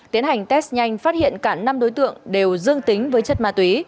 tiến hành test nhanh phát hiện cả năm đối tượng đều dương tính với chất ma túy